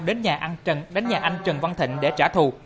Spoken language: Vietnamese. đến nhà anh trần văn thịnh để trả thù